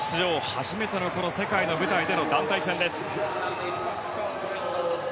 初めての世界での舞台での団体戦です。